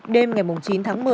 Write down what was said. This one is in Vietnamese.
đêm ngày chín tháng một mươi